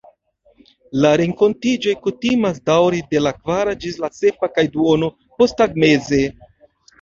La renkontiĝoj kutimas daŭri de la kvara ĝis la sepa kaj duono posttagmeze.